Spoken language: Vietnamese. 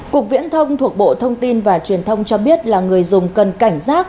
cục viễn thông thuộc bộ thông tin và truyền thông cho biết là người dùng cần cảnh giác